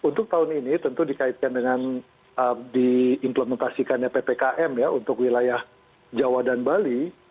untuk tahun ini tentu dikaitkan dengan diimplementasikannya ppkm ya untuk wilayah jawa dan bali